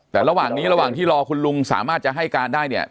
แต่ระหว่างนี้ระหว่างที่รอคุณลุงสามารถจะให้การได้เนี่ย